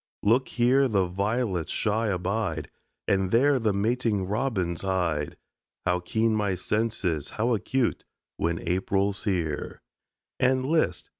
Look, here the violets shy abide And there the mating robins hide How keen my senses, how acute, When April's here! And list!